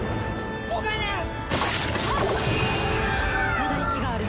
まだ息がある。